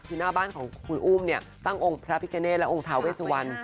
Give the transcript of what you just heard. คือหน้าบ้านของคุณอุ้มเนี่ยตั้งองค์พระพิกาเนตและองค์ทาเวสวัน